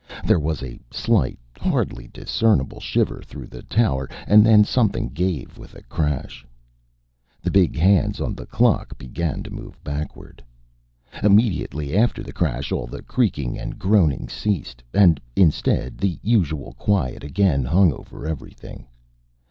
There was a slight, hardly discernible shiver through the tower, and then something gave with a crash. The big hands on the clock began to move backward. Immediately after the crash all the creaking and groaning ceased, and instead, the usual quiet again hung over everything.